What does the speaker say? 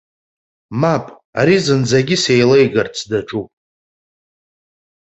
Мап ари зынӡагьы сеилеигарц даҿуп.